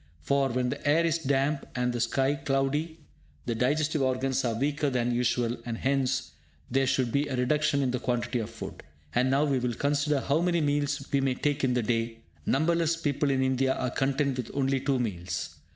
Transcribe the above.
For, when the air is damp and the sky cloudy, the digestive organs are weaker than usual, and hence there should be a reduction in the quantity of food. And now we will consider how may meals we may take in the day. Numberless people in India are content with only two meals.